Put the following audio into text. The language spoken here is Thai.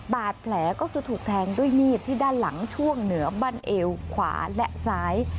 บาดแผลก็คือถูกแทงด้วยมีดที่ด้านหลังช่วงเหนือบั้นเอวขวาและซ้าย